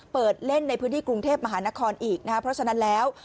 เปิดเล่นในพื้นที่กรุงเทพมหานครอีกนะครับเพราะฉะนั้นแล้ว